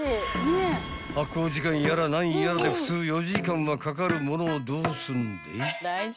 ［発酵時間やら何やらで普通４時間はかかるものをどうすんでぇ？］